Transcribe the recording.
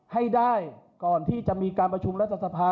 ให้ได้ก่อนที่จะมีการประชุมรัฐสภา